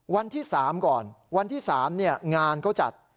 วันที่๓ก่อนวันที่๓งานเขาจัด